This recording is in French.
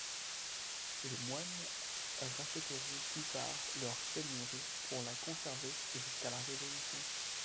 Les moines rachèteront plus tard leur seigneurie pour la conserver jusqu'à la Révolution.